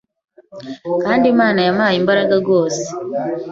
kandi Imana yampaye imbaraga rwose